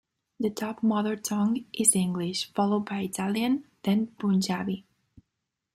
The top Mother tongue is English, followed by Italian, then Punjabi.